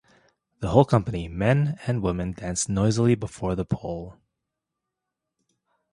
The whole company, men and women, danced noisily before the pole.